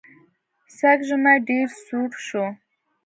سږ ژمی ډېر سوړ شو.